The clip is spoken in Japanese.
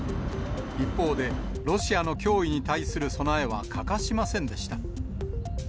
一方で、ロシアの脅威に対する備えは欠かしませんでした。